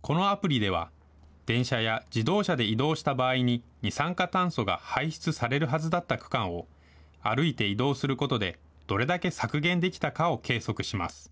このアプリでは、電車や自動車で移動した場合に二酸化炭素が排出されるはずだった区間を、歩いて移動することでどれだけ削減できたかを計測します。